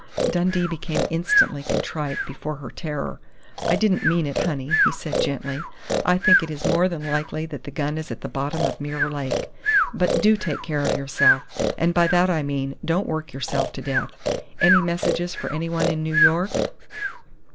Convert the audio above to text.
Dundee became instantly contrite before her terror. "I didn't mean it, honey," he said gently. "I think it is more than likely that the gun is at the bottom of Mirror Lake. But do take care of yourself, and by that I mean don't work yourself to death.... Any messages for anyone in New York?"